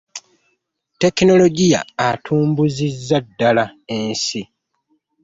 tekinologiya atumbuzizza ddala ensi